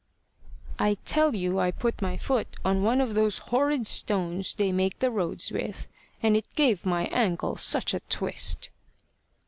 "I tell you I put my foot on one of those horrid stones they make the roads with, and it gave my ankle such a twist."